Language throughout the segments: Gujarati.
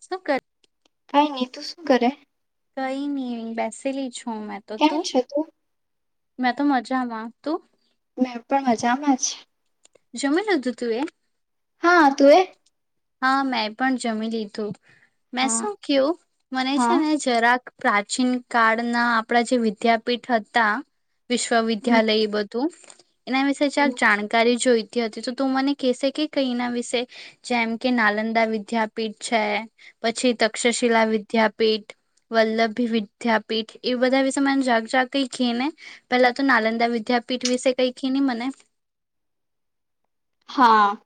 સું કર કઈ નહી તું શું કરે કઈ નઈ બેસેલી છું હ મે તો કેમ તું છે મેં તો મજામાં તું મેં પણ મજામાં જ જમી લીધું તુંવે હા તું એ હા મેં પણ જમી લીધું મેં હા શું ક્યું મને છે હા ને જરાક પ્રાચીન કાળના આપણા જે વિદ્યાપીઠ હતા હમ વિશ્વવિદ્યાલય એ બધું એના વિશે હમ ચાલ જાણકારી જોઈ હતી તો ત મને કહેશે કે કઈના વિશે જેમ કે નાલંદા વિદ્યાપીઠ છે પછી તક્ષશિલા વિદ્યાપીઠ વલ્લભી વિદ્યાપીઠ એ બધા વિશે મને જાગ જાગ કઈ કી ને પેલા તો નાલંદા વિદ્યાપીઠ વિશે કઈ કી ને મને હા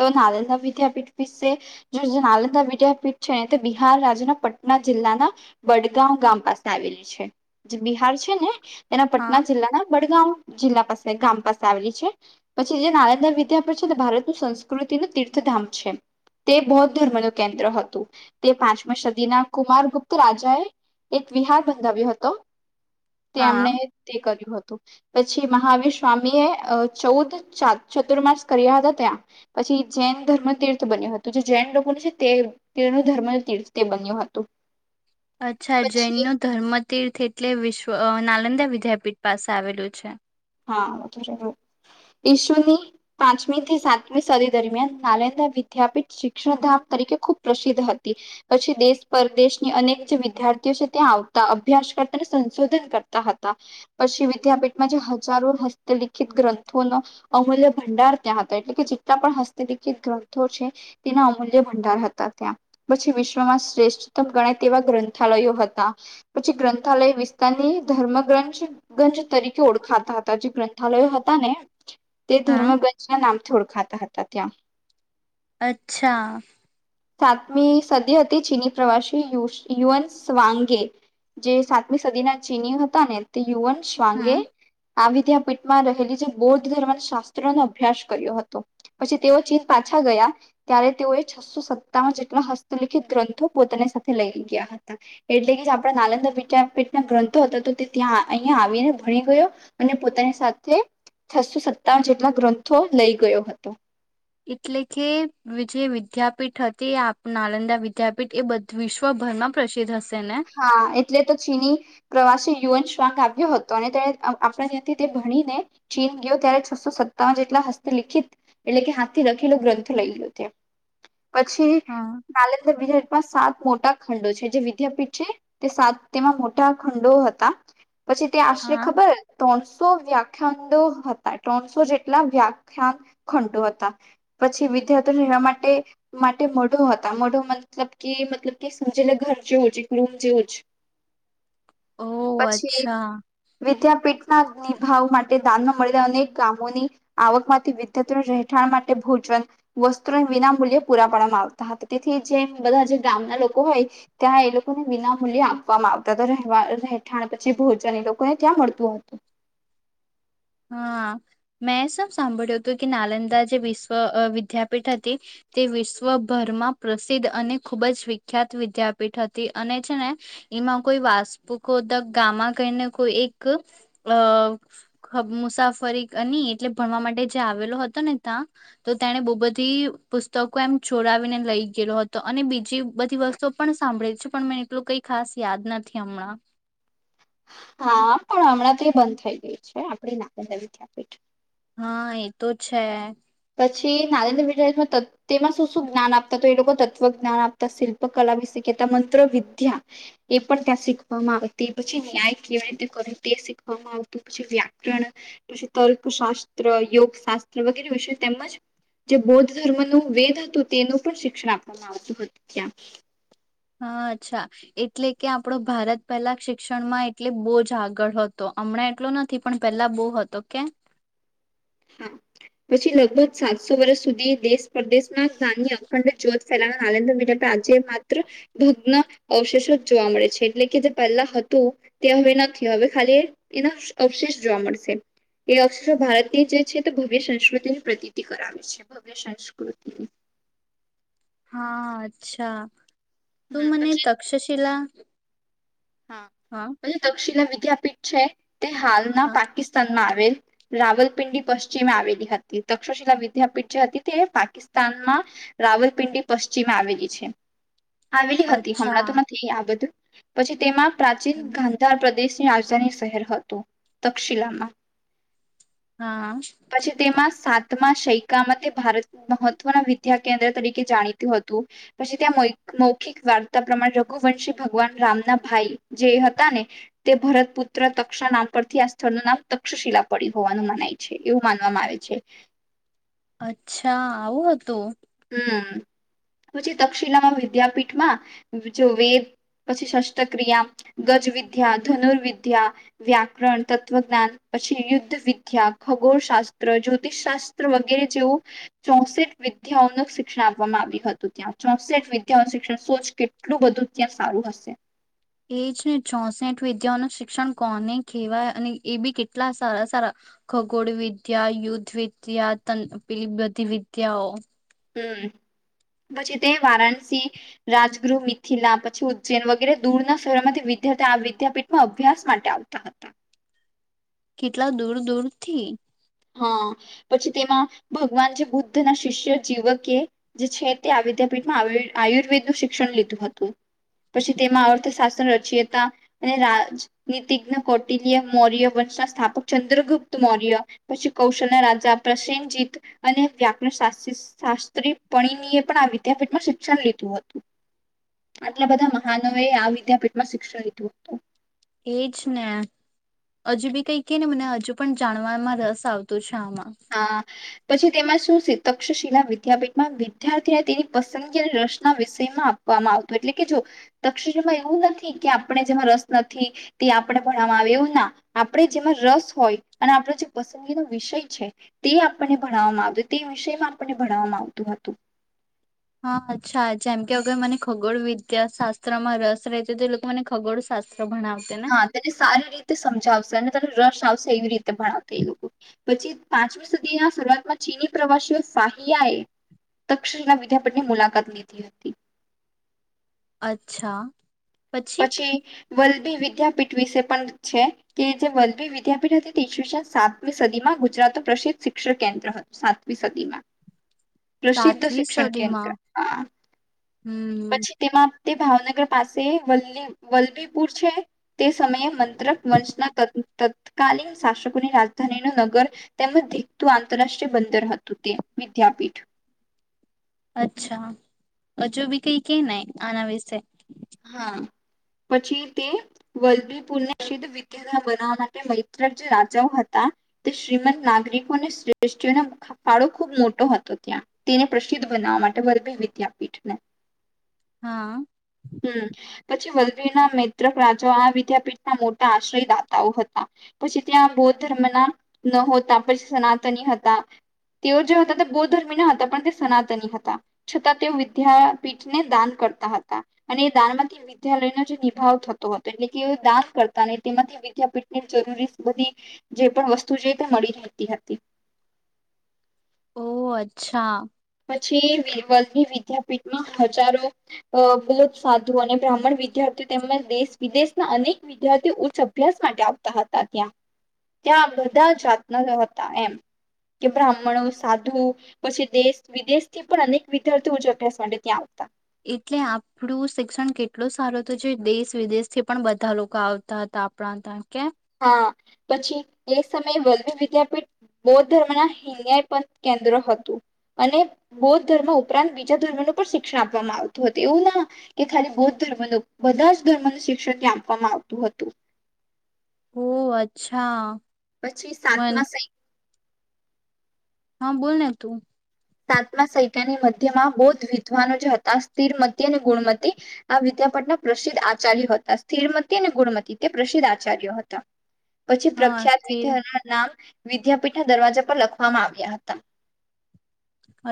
તો નાલંદા વિદ્યાપીઠ વિશે જો નાલંદા વિદ્યાપીઠ છે ને તે બિહાર રાજ્યના પટના જિલ્લાના બડગાં ગામ પાસે આવેલી છે જે બિહાર છે ને એના હા પટના જિલ્લા ના બડગામવ જિલ્લા પાસે ગામ પાસે આવેલી છે પછી જે નાલદા તાર પછી ભારતનું સંસ્કૃતિનું તીર્થધામ છે તે બૌદ્ધ ધર્મ ન કેન્દ્ર હતું તે પાંચમ સદીના કુમારગુપ્ત રાજા એ એક વિહાર બંધાવ્યો હતો હા તેમણે તે કર્યું હતું પછી મહાવીર સ્વામી એ ચૌદ ચતુર્માસ કર્યા હતા ત્યાં પછી જૈન ધર્મ તર્થ બન્યું હતું જે જૈન લોકોનું છે તે તીર્થ ન ધર્મ તીર્થ તે બન્યું હતું અચ્છા જૈન પછી ન ધર્મતીર્થ એટલે વિશ્વ ના નલંદા વિદ્યાપીઠ પાસે આવેલું છે હા ઈશુની પાંચમી થી સાતમી સદી દરમિયાન નાલંદા વિદ્યાપીઠ શિક્ષણ ધામ તરીકે ખુબ પ્રસિદ્ધ હતી પછી દેશ પરદેશની અનેક જે વિદ્યાર્થીઓ છે ત્યાં આવતા અભ્યાસ કરતાને સંશોધન કરતા હતા પછી વિદ્યાપીઠમાં જે ો હસ્તલિખિત ગ્રંથો ન અમૂલ્ય ભંડાર ત્યાં હતા એટલે કે જેટલા પણ હસ્તલિખિત ગ્રંથો છે તેના અમૂલ્ય ભંડાર હતા ત્યાં પછી વિશ્વમાં શ્રેષ્ઠતમ ગણાય તેવા ગ્રંથાલયો હતા પછી ગ્રંથાલયો વિસ્તારની ધર્મગ્રંજ ગંજ તરીકે ઓળખાતા ાતાજી ગ્રંથાલયો હતા ને તે હા ધર્મગંજ ના નામ થોડક ખાતા હતા ત્યાં અચ્છા સાતમી સદી હતી ચીની પ્રવાસી યુઅન સ્વાંગે જે સાતમી સદીના ચીની હતા ને તે યુઅન શ્વાંગે હમ આ વિદ્યાપીઠમાં રહેલી જે બૌદ્ધ ધર્મ શાસ્ત્રનોો અભ્યાસ કર્યો હતો પછી તેઓ ચીન પાછા ગયા ત્યારે તેઓએ છસો સત્તાવન જેટલા હસ્તલિખિત ગ્રંથો પોતાની સાથે લઈ ગયા હતા એટલે કે આપણા નાલંદા વિપીઠના ગ્રંથો હતા તો તે ત્યાં અહીિયાયા આવીને ભણી ગયો અને પોતાની સાથે છસો સત્તાન જેટલા ગ્રંથો લઈ ગયો હતો એટલે કે જે વિદ્યાપીઠ હતી નાલંદા વિદ્યાપીઠ એ બ વિશ્વભરમાં પ્રસિદ્ધ હશે ને હા એટલે તો ચીની પ્રવાસી યુન ંગ આવ્યો હતો અને તે આપણા ત્યાંથી તે ણીને ચીન ગયો ત્યારે છસો સત્તાવન જેટલા હસ્તલિખિત એટલે કે હાથથી લખેલો ગ્રંથ લઈ ગયો છે પછી હા કાલે તો બીજા સાત મોટા ખંડો છે જે વિદ્યાપીઠ તે સાત તેમાં મોટા ખંડો હતા પછી ત્યાં આશરે હા ખબર તો સો વ્યાખ્યાડો હતા ત્રણસો જેટલા વ્યાખ્યાન ખંડો હતા પછી વિદ્યાર્થીઓ એવા માટે માટે મોઢો હતા મોઢો મતલબ કે મતલબ કે સમજેલા ઘર જેવું છેઈ બ્લું જુંજ ઓહ પછી અચ્છા વિદ્યા પીટના નિભાવ માટે દાનમાં મળેલા અનેક ગામોની આવક માંથી વિદ્યત રહેઠાણ માટે ભોજન વસ્ત્રો વિના મૂલ્ય પૂરા પાડવામાં આવતા હતા તેથી જે બધા જે ગામના લોકો હોય ત્યાં એ લોકો ને વિના મૂલ્યે આપવામાં આવતાવા રહેઠાણ પછી ભોજન લોકોને ત્યાં મળતું હતું હા મેં સબ સાંભળ્યું હતું કે નાલંદા જે વિશ્વ વિદ્યાપીઠ હતી તે વિશ્વભરમાં પ્રસિદ્ધ અને ખૂબ જ વિખ્યાત વિદ્યાપીઠ હતી અને છે ને એમાં કોઈ વાસ્પુકોદક ગામા કહીને કોઈ એક અ મુસાફરી એટલે ભણવા માટે જે આવેલો હતો ને ત્યાં તો તેને બહુ બધી પુસ્તકો એમ ચોડાવીને લઈ ગયેલો હતો અને બીજી બધી વસ્તુ પણ સાંભળી છે પણ મને એટલું કઈ ખાસ યાદ નથી હમણાં હા પણ હમણાં તે બંધ થઈ ગઈ છે આપડી નાર્મદા વિદ્યાપીઠ હા એતો છે પછી નારેન્દ્ર તેમાં શું શું જ્ઞાન આપતા તો એ લોકો તત્વ જ્ઞાન આપતા શિલ્પ કલા વિશે કહેતા મંત્ર વિદ્યા એ પણ ત્યાં શીખવામાં આવતી પછી ન્યાય કેવી રીતે કરે તે શીખવામાં આવતું પછી વ્યાકરણ પછી તર્કશાસ્ત્ર યોગ શાસ્ત્ર વગેરે વિશે તેમજ જે બૌદ્ધ ધર્મનું વેદ હતું તેનું પણ શિક્ષણ આપવામાં આવતું હતું ત્યાં હા અચ્છા એટલે કે આપણો ભારત પહેલા શિક્ષણમાં એટલે બહુ જ આગળ હતો હમણાં એટલો નથી પણ પેલા બહ હતો કે હા પછી લગભગ સાતસો વર્ષ સુધી દેશ પ્રદેશમાંની અખંડ જત ફેલા નાલંદ આજે માત્ર ભગ્ન અવશેષો જ જોવા મળે છે એટલે કે જે પહેલા હતું તે હવે નથી હવે ખાલી એના અવશેષ જોવા મળશે એ અવશેષો ભારત જે છે તે ભવ્ય સંસ્કૃતિની પ્રતીતિ કરાવે છે ભવ્ય સંસ્કૃતિ હા અચ્છા હમ તું મને પછી તક્ષશિલા હા તક્ષણ વિદ વિદ્યાપીઠ છે તે હાલના હા પાકિસ્તાનમાં આવેલ રાવલપિંડી પશ્ચિમે આવેલી હતી તક્ષશિલા વિદ્યાપીઠ જે હતી તે પાકિસ્તાનમાં રાવલપિંડી પશ્ચિમે આવેલી છે આવેલી હતી અચ્છા હમણાં તો નથી આ બધું પછી તેમાં પ્રાચીન ગાંધાર પ્રદેશ રાજધાની શહેર હતું દક્ષિલામાં હા પછી તેમાં સાતમા સૈકામાં તે ભારત મહત્વના વિદ્યા કેન્દ્ર તરીકે જાણીતું હતું પછી ત્યાં મૌખિક વાર્તા પ્રમાણે રઘુવંશી ભગવાન રામના ભાઈ જે હતા ને તે ભરત પુત્ર તક્ષા નામ પરથી આ સ્થળનું નામ તક્ષશિલા પડી હોવાનું મનાય છે એવું માનવામાં આવે છે અચ્છા આવું હતું હ પછી તક્ષિલામાં વિદ્યાપીઠમાં જો વેદ પછી શસ્ત્રક્રિયા ગજવિદ્યા ધનુર્વિદ્યા વ્યાકરણ તત્ત્વજ્ઞાન પછી યુદ્ધ વિદ્યા ખગોળ શાસ્ત્ર જ્યોતિષશાસ્ત્ર વગેરે જેવું ચોસઠ વિદ્યાઓ શિક્ષણ આપવામાં આવ્યું હતું ત્યાં ચોસઠ વિદ્યાઓનું શિક્ષણ સો જ કેટલું બધું ત્યાં સારું હશે એજને ચોસઠ વિદ્યાઓ ન શિક્ષણ કોને કહેવાય અને એ બી કેટલા સારા સારા ખગોળ વિદ્યા યુદ્ધ વિદ્યા તપ બધી વિદ્યાઓ હમ પછી તે વારાણસી રાજગૃહ મિથિલા પછી ઉજ્જૈન વગેરે દૂરના શહેરોમાંથી વિદ્યાર્થી આ વિદ્યાપીઠમાં અભ્યાસ માટે આવતા હતા કેટલા દૂર દૂરથી હા પછી તેમાં ભગવાન જે બુદ્ધના શિષ્ય જીવકે જે છે તે વિદ્યાપીઠમાં આયુર્વેદ નું શિક્ષણ લીધું હતું પછી તેમાં અર્થશાસ્ત્ર રચયતા અને રાજનીતિજ્ઞ કૌટિલ્ય મૌર્ય વંશના સ્થાપક ચંદ્રગુપ્ત મૌર્ય પછી કૌશલના રાજા પ્રસેનજીત અને વ્યાકરણ શાસ્ત્રી પરણીિનીએ પણ આ વિદ્યાપીઠમાં શિક્ષણ લીધું હતું આટલા બધા મહનો એ આ વિદ્યાપીઠ માં શિક્ષ રીથી વસ્ત તો એજ ને હજુ બી કઈ ક ને મને હજુ પણ જાણવામાં રસ આવતો છે આમાં હા પછી તેમાં શું છે તક્ષશિલા વિદ્યાપીઠમાં વિદ્યાર્થીને તેની પસંદગી અને રસના વિષયમાં આપવામાં આવતો એટલે કે જો તક્ષશિલામાં એવું નથી કે આપણે જેમાં રસ નથી તે આપણે ભણવામાં આવે એવું ના આપણે જેમાં રસ હોય અને આપણે જે પસંદગીનો વિષય છે તે આપણને ભણાવવામાં આવતું હત તે વિષયમાં આપણને ભણાવવામાં આવતું હતું હા અચ્છા જેમ કે અગર મને ખગોળ વિદ્યા શાસ્ત્ર માં રસ રહે છે તો લોકો મને ખગોળ શાસ્ હા તેને સારી રીતે સમજાવશે ત રસ આવશે એવી રીતે ભણાવતા એ લોકો પછી પાંચમી સદીના શરૂઆતમાં ચીની પ્રવાસીઓ શાહયાએ તક્ષના વિદ્યાપઠની મુલાકાત લીધી હતી અચ્છા પછી. વલભી વિદ્યાપીઠ વિશે પણ છે, કે જે વલ્ભી વિદ્યાપીઠ હતી તેસવી સાતમી સદીમાં ગુજરાત ન પ્રસિદ્ધ શિક્ષણ કેન્દ્ર હતું સાતમી સદીમાં પ્રસિદ્ધ સાતમી શિક્ષણ કેન્દ્ર હ હમ્મ. તે ભાવનગર પાસે વલ્લી વલ્ભીપુર છે તે સમયે મ ત વનશના ત ત તત્કાલીન શાસકોની રાજધાની ન નગર તેમજ દીખતું આંતરરાષ્ટ્રીય બંદર હતું તે વિદ્યાપીઠ અચ્છા જો બી કઈ કે ન આના વિશે. હા પછી તે વલદીપુરને સિદ્ધ વિદ્યા બનાવવા માટે મૈત્રક જે રાજાઓ હતા, તે શ્રીમંત નાગરિકો અને શ્રેષ્ઠીઓ નો ફાળો ખૂબ મોટો હતો ત્યાં તેને પ્રસિદ્ધ બનાવવા માટે વર્બી વિદ્યાપીઠ ને હા. હ પછી વલભીરના મેત્રક રાજા આ વિદ્યાપીઠના મોટા આશ્રય દાતાઓ હતા, પછી ત્યાં બૌદ્ધ ધર્મના ન હોતા પછી સનાતની હતા તેઓ જે હતા તે બૌદ્ધ ધર્મ ના હતા પણ તે સનાતની હતા છતાં તેઓ વિદ્યાપીઠને દાન કરતા હતા. અને એ દાન માંથી વિદ્યાલયનો જે નિભાવ થતો હતો, એટલે કે દાન કરતા નહી તેમાંથી વિદ્યાપીઠની જરૂરી બધી જે પણ વસ્તુ છે તે મળી રહેતી હતી. ઓહ અચ્છા. પછીની વિદ્યાપીઠમાં હજારો બૌદ્ધ સાધુ અને બ્રાહ્મણ વિદ્યાર્થીઓ તેમજ દેશ વિદેશના અનેક વિદ્યાર્થીઓ ઉચ્ચ અભ્યાસ માટે આવતા હતા ત્યાં ત્યાં બધા જાતના હતા એમ કે બ્રાહ્મણો સાધુ પછી દેશ વિદેશથી પણ અનેક વિદ્યાર્થીઓ ઉ્ચ અભ્યાસ માટે ત્યાં આવતા. એટલે આપણું શિક્ષણ કેટલું સારું હત જે દેશ વિદેશથી પણ બધા લોકો આવતા હતા આપણા ત્યા કે હા પછી એ સમયે વલ્ભી વિદ્યાપીઠ બૌદ્ધ ધર્મના હિન્યાયપ કેન્દ્ર હતું અને બૌદ્ધ ધર્મ ઉપરાંત બીજા ધર્મનું પણ શિક્ષણ આપવામાં આવતું હતું એવું ના કે ખાલી બૌદ્ધ ધર્મનું બધા જ ધર્મનું શિક્ષણ ત્યાં આપવામાં આવતું હતું. હો અચ્છા. પછી મન સાતમા સહી હા બોલને તું સાતમા સૈકાની મધ્યમાં બૌદ્ધ વિદ્વાનો જ હતા સ્થિરમતી અને ગુણમતી આ વિદ્યાપઠના પ્રસિદ્ધ આચાર્ય હતા. સ્થિરમતી અને ગુણમતી તે પ્રસિદ્ધ આચાર્ય હતા. પછી હા પ્રખ્યાત સ્થિર વિધ નામ વિદ્યાપીઠના દરવાજા પર લખવામાં આવ્યા હતા.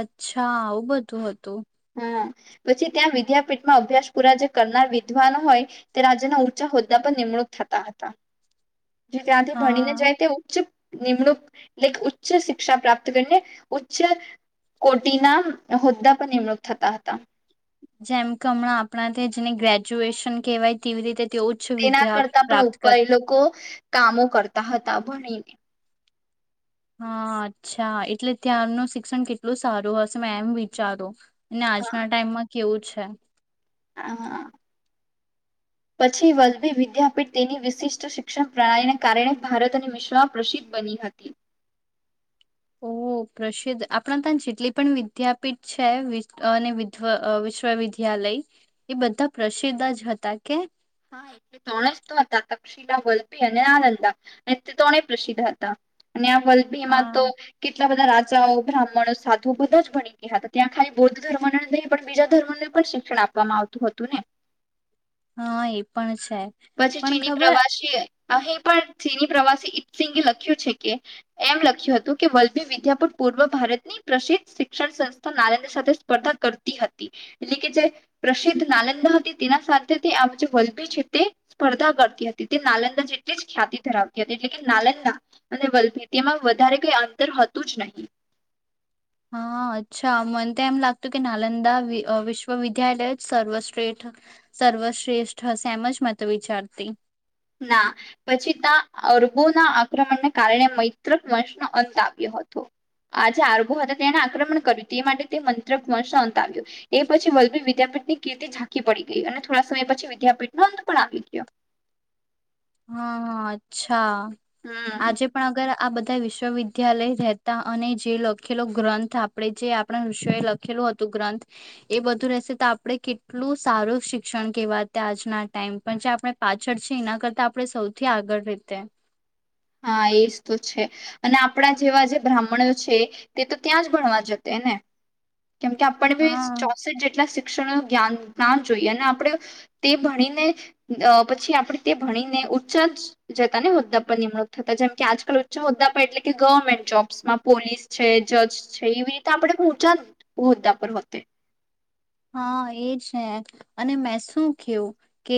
અચ્છા આવું બધું હતું. હમ પછી ત્યાં વિદ્યાપીઠમાં અભ્યાસ પૂરા જે કરનાર વિદ્વાનો હોય તે રાજ્યના ઊંચા હોદ્દા પર નિમણૂક થતા હતા. જે ત્યાંથી ભણીને હા જાય તે ઉચ્ચ નિમણૂક એટલે ઉચ્ચ શિક્ષા પ્રાપ્ત કરીને ઉચ્ચ કોટીના હોદ્દા પર નિમણૂક થતા હતા. જેમ કે હમણાં આપણા તે જેને ગ્રેજ્યુએશન કહેવાય તેવી રીતે તે ઉચ્ચ તેના વિદ્યા કરતા પણ પ્રાપ્ત ઉપર એ કરતા લોકો કામો કરતા હતા ભણીને હા અચ્છા એટલે ત્યાંનું શિક્ષણ કેટલું સારું હશે મે એમ વિચારો અને હા આજના ટાઈમમાં કેવું છે. હા. પછી વલભી વિદ્યાપીઠ તેની વિશિષ્ટ શિક્ષણ પ્રણાલીને કારણે ભારત અને વિશ્વમાં પ્રસિદ્ધ બની હતી. ઓ પ્રસિદ્ધ આપણા ત્યાં જેટલી પણ વિદ્યાપીઠ છે અને વિધ વિશ્વવિદ્યાલય એ બધા પ્રસિદ્ધ જ હતા કે હા એ ત્રણે જ તો હતા તક્ષિલા વલ્ભી અને નાનંદા અને તે ત્રણે પ્રસિદ્ધ હતા અને વલ્ભીમાં તો હા કેટલા બધા બ્રાહ્મણ સાધુ બધો જ બની ગયા હતા ત્યાં ખાલી બૌદ્ધ ધર્મને જ નહીં પણ બીજા ધર્મને પણ શિક્ષણ આપવામાં આવતું હતું ને હા એ પણણ છે પછી પણ ચીની ખબર પ્રવાસી અહીં પણ ચીની પ્રવાસી ઈસિંગે લખ્યું છે કે એમ લખ્યું હતું કે વલ્લભી વિદ્યાપુટ પૂર્વ ભારતની પ્રસિદ્ધ શિક્ષણ સંસ્થા નાલંદા સાથે સ્પર્ધા કરતી હતી એટલે કે જે પ્રસિદ્ધ નાલંદા હતી તેના સાથે તે આ જે વલ્લભી છે તે સ્પર્ધા કરતી હતી તે નાલંદા જેટલી જ ખ્યાતિ ધરાવતી હતી એટલે કે નાલંદા અને વલ્થીી તેમાં વધારે કઈ અંતર હતું જ નહીં હા અચ્છા મને તો એમ લાગતું કે નાલંદા વિશ્વવિદ્યાલય જ સર્વશ્રેષ્ઠ સર્વશ્રેષ્ઠ હશે એમ જ મત વિચારતી ના પછી ત્યા અરબોના આક્રમણને કારણે મૈત્રક વંશનો અંત આવ્યો હતો આ જે અરબો હતા તેને આક્રમણ કર્યું તે માટે તે મૈત્રક વંશનો અંત આવ્યો એ પછી વલ્ભી વિદ્યાપીઠની કીર્તિ ઝાંકી પડી ગઈ અને થોડા સમય પછી વિદ્યાપીઠનો અંત પણ આવી ગયો હા હા અચ્છા હમ આજે પણ અગર આ બધા વિશ્વવિદ્યાલય રહેતા અને જે લખેલો ગ્રંથ આપણેે જે આપણા વિષ એ લખેલું હતું ગ્રંથ એ બધું રહેશે તો આપણે કેટલું સારું શિક્ષણ કેવા ત આજના ટાઈમ પણ જે આપણે પાછળ છે એના કરતા આપણે સૌથી આગળ રીતે હા એજ તો છે અને આપણા જેવા જે બ્રાહ્મણો છે તે તો ત્યાં જ ભણવા જશે ને કેમ કે આપણ બી હા ચોસઠ જેટલા શિક્ણ જ્ઞાન ના જોઈએ અને આપણે તે ભણીને પછી આપણે તે ભણીને ઉઊંચા જતા ને હોદ્દા પર નિમ થતા જેમ કે આજકાલ ઉઊચા હોદ્દા પર એટલે કે ગવર્મેન્ટ જોબ્સમાં પોલીસ છે જજ છે એવી રીતે આપણે ઊંચા હોદ્દા પર હોતે હા એ છે હ અને મેં શું કયું કે